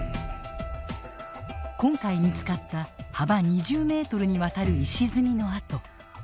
今回見つかった幅２０メートルにわたる石積みの跡。